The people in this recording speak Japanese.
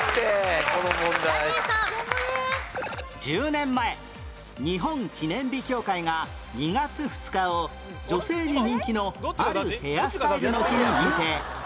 １０年前日本記念日協会が２月２日を女性に人気のあるヘアスタイルの日に認定